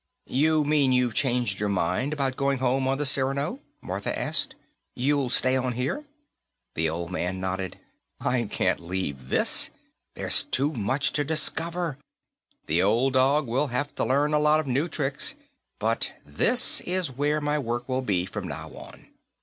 "You mean you've changed your mind about going home on the Cyrano?" Martha asked. "You'll stay on here?" The old man nodded. "I can't leave this. There's too much to discover. The old dog will have to learn a lot of new tricks, but this is where my work will be, from now on."